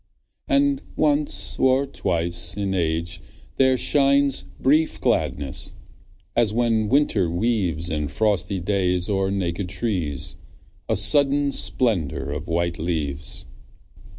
And once or twice in age there shines Brief gladness, as when winter weaves In frosty days o'er naked trees, A sudden splendour of white leaves.